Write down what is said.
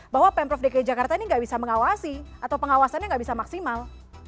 bahwa pemprov dki jakarta ini nggak bisa mengawasi atau pengawasannya nggak bisa maksimal